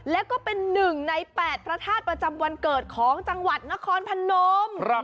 แล้วก็เป็น๑ใน๘พระธาตุประจำวันเกิดของจังหวัดนครพนม